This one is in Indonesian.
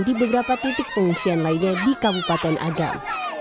di beberapa titik pengungsian lainnya di kabupaten agam